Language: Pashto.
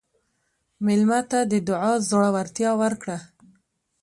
مېلمه ته د دعا زړورتیا ورکړه.